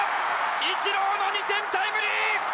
イチローの２点タイムリー！